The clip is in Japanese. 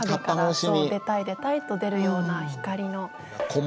そう出たい出たいと出るような光の。